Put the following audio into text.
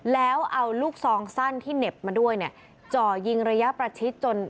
แล้วเอาลูกซองสั้นที่เหน็บมาด้วยเนี่ยจ่อยิงระยะประชิดจน